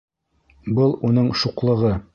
Был уның шуҡлығы.